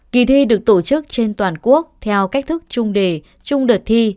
kỳ thi được tổ chức trên toàn quốc theo cách thức trung đề trung đợt thi